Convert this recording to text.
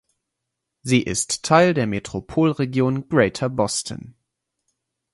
Sie ist Teil der Metropolregion Greater Boston.